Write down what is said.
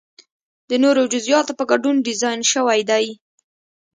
د نورو جزئیاتو په ګډون ډیزاین شوی دی.